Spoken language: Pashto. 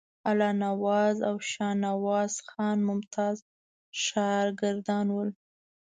الله نواز او شاهنواز خان ممتاز شاګردان ول.